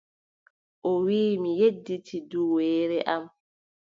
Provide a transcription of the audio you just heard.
O wii, mi yejjiti duweere am.